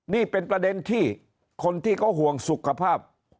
นี่เป็นประเด็นที่คนที่เขาห่วงสุขภาพ